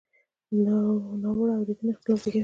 ناوړه اورېدنه اختلاف زېږوي.